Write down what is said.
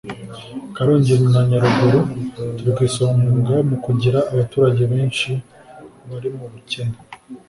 Karongi na Nyaruguru turi ku isonga mu kugira abaturage benshi bari mu bukene